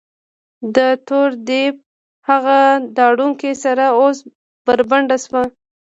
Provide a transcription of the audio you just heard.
د تور دیب هغه ډارونکې څېره اوس بربنډه شوه.